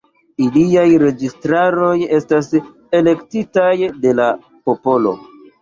Iliaj registaroj estas elektitaj de la popolo.